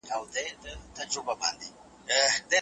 دغه کوچنی چي دی د جنګ دپاره هیڅ ځای نلري.